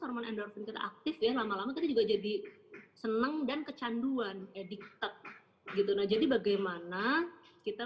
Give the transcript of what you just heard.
hormon endorfin aktif yang lama lama juga jadi senang dan kecanduan edit jadi bagaimana kita